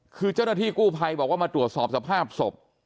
คือเจ้าหน้าที่กู้ภัยบอกว่ามาตรวจสอบสภาพศพ